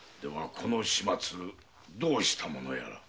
この始末どうしたものやら？